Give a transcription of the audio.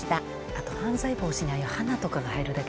あと犯罪防止にああいう花とかが入るだけでね。